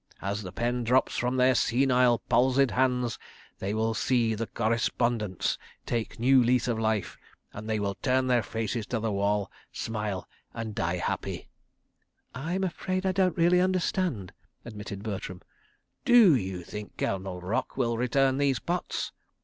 As the pen drops from their senile palsied hands they will see the Correspondence take new lease of life, and they will turn their faces to the wall, smile, and die happy." "I am afraid I don't really understand," admitted Bertram. "Do you think Colonel Rock will return these pots?